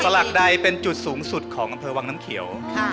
สลักไดนแล็กเป็นจุดสูงสุดของกันเผยวังน้ำเขียว